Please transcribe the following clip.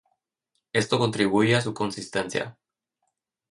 Esto contribuye a su consistencia.